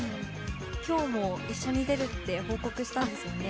今日も一緒に出るって報告したんですよね。